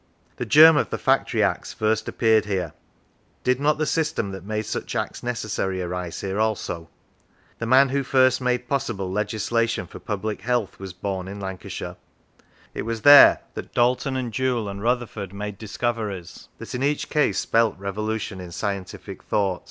The germ of the Factory Acts first appeared here; did not the system that made such Acts necessary arise here also ? The man who first made possible legislation for public health was born in Lancashire. It was there that Dalton and Joule and Rutherford made discoveries that in each case spelt revolution in scientific thought.